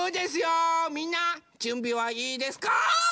みんなじゅんびはいいですか？